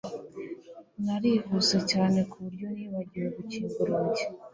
narihuse cyane kuburyo nibagiwe gukinga urugi